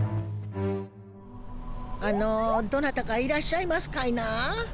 あのどなたかいらっしゃいますかいな？